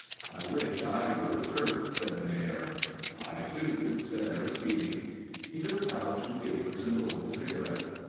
"I wish I were a Turk," said the Mayor. "I, too," said Aristide. He took pouch and papers and rolled a cigarette.